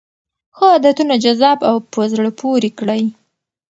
ښه عادتونه جذاب او په زړه پورې کړئ.